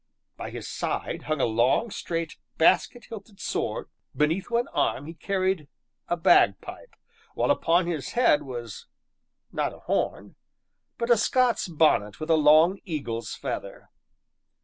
By his side hung a long, straight, basket hilted sword, beneath one arm he carried a bagpipe, while upon his head was not a horn but a Scot's bonnet with a long eagle's feather.